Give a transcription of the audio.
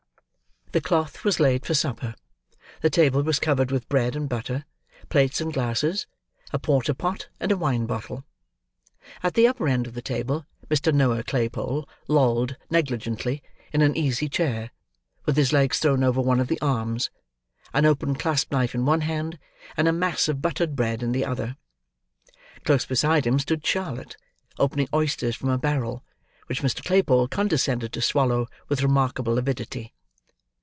The cloth was laid for supper; the table was covered with bread and butter, plates and glasses; a porter pot and a wine bottle. At the upper end of the table, Mr. Noah Claypole lolled negligently in an easy chair, with his legs thrown over one of the arms: an open clasp knife in one hand, and a mass of buttered bread in the other. Close beside him stood Charlotte, opening oysters from a barrel: which Mr. Claypole condescended to swallow, with remarkable avidity.